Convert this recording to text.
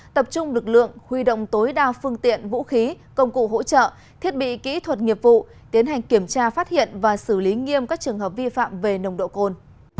tập trung lực lượng huy động tối đa phương tiện vũ khí công cụ hỗ trợ thiết bị kỹ thuật nghiệp vụ tiến hành kiểm tra phát hiện và xử lý nghiêm các trường hợp vi phạm về nồng độ cồn